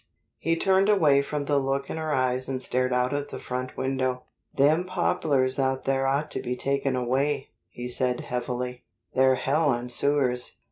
He turned away from the look in her eyes and stared out of the front window. "Them poplars out there ought to be taken away," he said heavily. "They're hell on sewers."